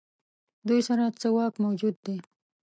دوی سره څه واک موجود دی.